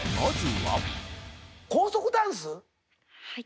はい。